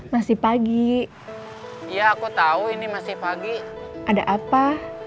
masih pagi ya aku tahu ini masih pagi ada apa